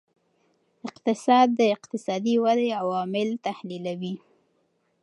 اقتصاد د اقتصادي ودې عوامل تحلیلوي.